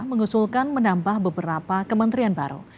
mengusulkan menambah beberapa kementerian baru